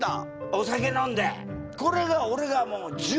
お酒飲んで。